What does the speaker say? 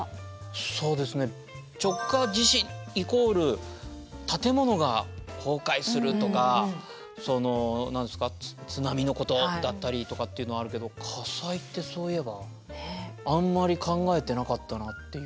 そうですね直下地震イコール建物が崩壊するとかその何ですか津波のことだったりとかっていうのはあるけど火災ってそういえばあんまり考えてなかったなっていう。